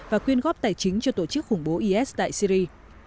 và quyên góp tài chính cho tổ chức khủng bố is tại syri